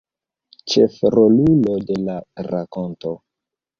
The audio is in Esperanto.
Ĉefrolulo de la rakonto.